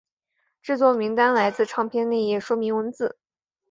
制作名单来自唱片内页说明文字。